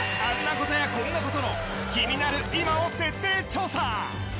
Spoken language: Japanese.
ことやこんなことの気になる今を徹底調査。